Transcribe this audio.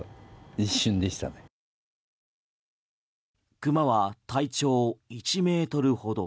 クマは体長１ｍほど。